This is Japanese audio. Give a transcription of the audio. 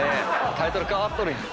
タイトル変わっとるやん。